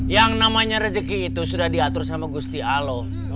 yang namanya rezeki itu sudah diatur sama gusti alo